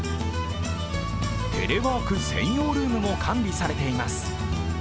テレワーク専用ルームも完備されています。